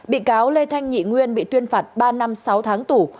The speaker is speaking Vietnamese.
bị cáo lê thanh nhị nguyên bị tuyên phạt ba năm sáu tháng tù